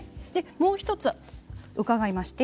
もう１つ、伺いました。